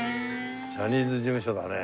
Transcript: ジャニーズ事務所だね。